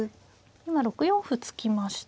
今６四歩突きましたね。